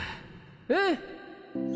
うん！